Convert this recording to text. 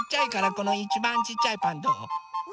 このいちばんちっちゃいパンどう？